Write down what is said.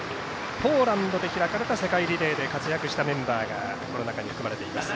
ポーランドで開かれた世界リレーで活躍したメンバーがこの中に含まれています。